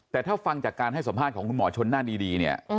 แต่ถ้าฟังจากการให้สัมภาษณ์ของคุณหมอชนน่านดีเนี่ย